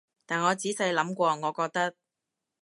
但我仔細諗過，我覺得